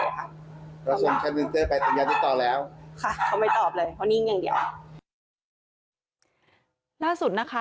เจ้าของห้องเช่าโพสต์คลิปนี้